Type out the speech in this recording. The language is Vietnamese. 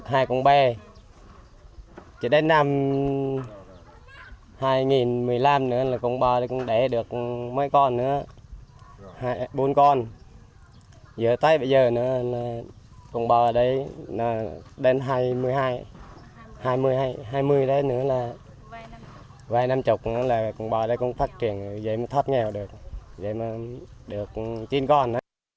giờ tới bây giờ công bào ở đây đến hai mươi hai mươi đến nữa là vay năm mươi công bào ở đây cũng phát triển dưới mà thoát nghèo được dưới mà được chinh con